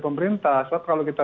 pemerintah sebab kalau kita